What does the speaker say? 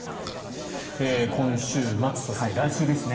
今週末そして来週ですね。